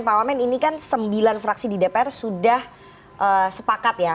pak wamen ini kan sembilan fraksi di dpr sudah sepakat ya